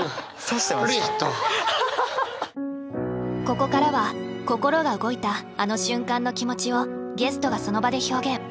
ここからは心が動いたあの瞬間の気持ちをゲストがその場で表現。